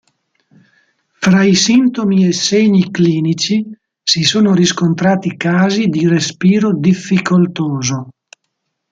Fra i sintomi e segni clinici si sono riscontrati casi di respiro difficoltoso.